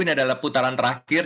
ini adalah putaran terakhir